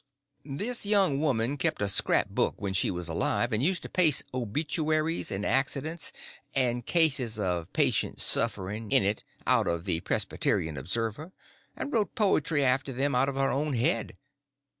This young girl kept a scrap book when she was alive, and used to paste obituaries and accidents and cases of patient suffering in it out of the Presbyterian Observer, and write poetry after them out of her own head.